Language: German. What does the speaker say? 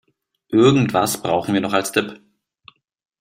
Irgendwas brauchen wir noch als Dip.